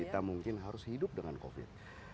kita mungkin harus hidup dengan covid sembilan belas